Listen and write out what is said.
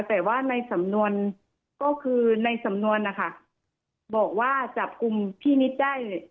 แต่ว่าในสำนวนก็คือในสำนวนนะคะบอกว่าจับกลุ่มพี่นิดได้